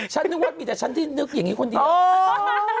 นึกว่ามีแต่ฉันที่นึกอย่างนี้คนเดียว